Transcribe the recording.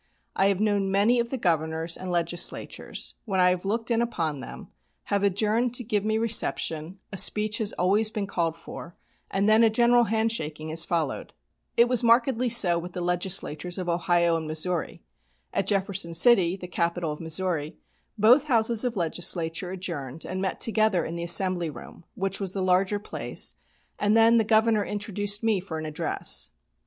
I have known many of the Governors, and Legislatures, when I have looked in upon them, have adjourned to give me reception, a speech has always been called for, and then a general hand shaking has followed. It was markedly so with the Legislatures of Ohio and Missouri. At Jefferson City, the capital of Missouri, both Houses of Legislature adjourned and met together in the Assembly Room, which was the larger place, and then the Governor introduced me for an address.